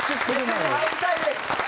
列に入りたいです！